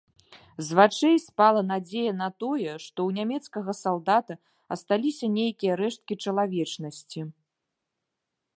З вачэй спала надзея на тое, што ў нямецкага салдата асталіся нейкія рэшткі чалавечнасці.